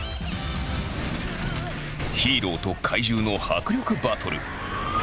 ヒーローと怪獣の迫力バトル！